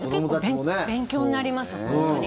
勉強になります、本当に。